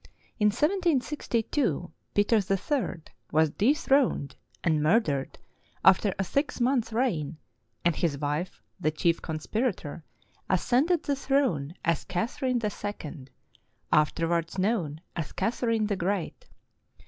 In 1762, Peter III was dethroned and murdered after a six months' reign, and his wife, the chief conspirator, ascended the throne as Catherine 1 1 , after wards known as Catherine the Great.